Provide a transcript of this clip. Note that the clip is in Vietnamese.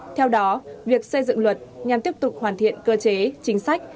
theo đó việc xây dựng luật nhằm tiếp tục hoàn thiện cơ chế chính sách